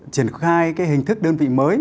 triển khai cái hình thức đơn vị mới